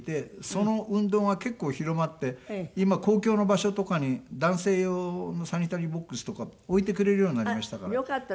その運動が結構広まって今公共の場所とかに男性用のサニタリーボックスとか置いてくれるようになりましたから。